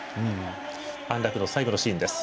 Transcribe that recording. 安楽の最後のシーンです。